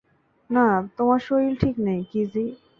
না, তোমার শরীর ঠিক নেই, কিজি!